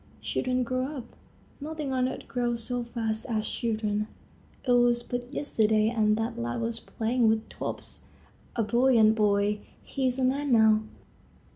Children grow up; nothing on earth grows so fast as children. It was but yesterday and that lad was playing with tops, a buoyant boy. He is a man now.